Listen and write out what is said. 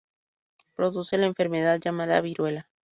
Produce la enfermedad llamada viruela.